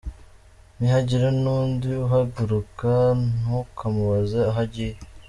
Nihagira n’undi uhaguruka ntukamubaze aho agiye;.